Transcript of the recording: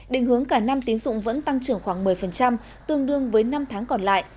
định hướng cả năm tín dụng vẫn tăng trưởng khoảng một mươi tương đương với năm tháng còn lại